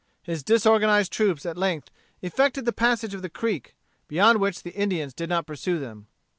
His disorganized troops at length effected the passage of the creek, beyond which the Indians did not pursue them.